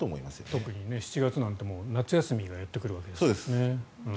特に７月は夏休みがやってくるわけですよね。